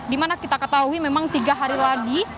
dimana kita ketahui memang tiga hari lagi